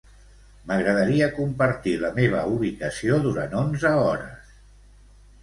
M'agradaria compartir la meva ubicació durant onze hores.